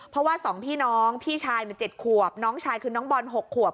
เพราะว่า๒พี่น้องพี่ชาย๗ขวบน้องชายคือน้องบอล๖ขวบ